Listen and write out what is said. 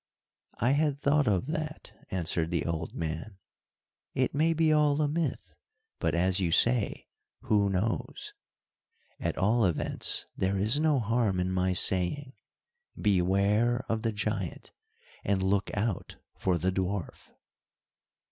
"I had thought of that," answered the old man. "It may be all a myth, but as you say 'who knows!' At all events there is no harm in my saying, beware of the giant, and look out for the dwarf."